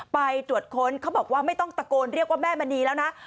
ไปตรวจค้นเขาบอกว่าไม่ต้องตะโกนเรียกว่าแม่มณีแล้วนะ